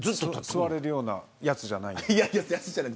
座れるようなやつじゃないんで。